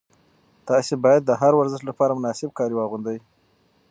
تاسي باید د هر ورزش لپاره مناسب کالي واغوندئ.